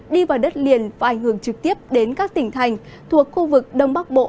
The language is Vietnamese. đi vào đất liền và ảnh hưởng trực tiếp đến các tỉnh thành thuộc khu vực đông bắc bộ